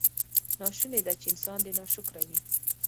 ناشونې ده چې انسان دې ناشکره وي.